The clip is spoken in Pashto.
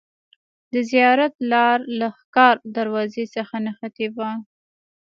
د زیارت لار له ښکار دروازې څخه نښتې وه.